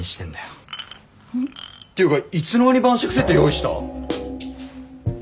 ていうかいつの間に晩酌セット用意した？